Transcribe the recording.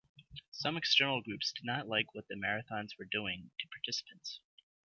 Some external groups did not like what the marathons were doing to participants.